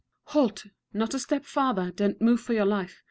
Halt! Not a step farther! Don't move for your life!